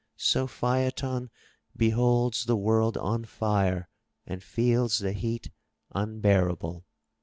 So Phaeton beholds the world on fire, and feels the heat unbearable.